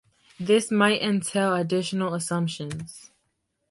This might entail additional assumptions.